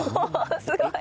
すごい！